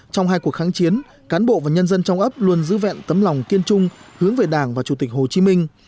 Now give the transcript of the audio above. trong hai cuộc kháng chiến cán bộ và nhân dân trong ấp luôn giữ vẹn tấm lòng kiên trung hướng về đảng và chủ tịch hồ chí minh